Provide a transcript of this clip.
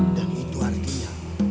dan itu artinya